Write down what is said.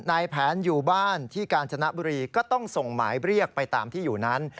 นายแผนอยู่บ้านที่กาญจนบุรีก็ต้องส่งหมายเรียกไปตามที่อยู่นั้น